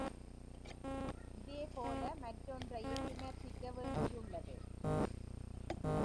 அதே போல மற்றொன்றையும் விமரிசிக்க வேண்டியுள்ளது.